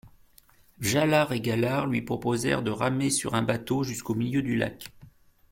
Fjalar et Galar lui proposèrent de ramer sur un bateau jusqu'au milieu du lac.